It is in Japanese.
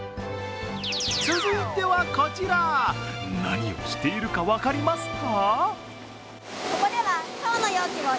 続いてはこちら、何をしているか分かりますか？